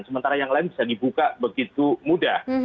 sementara yang lain bisa dibuka begitu mudah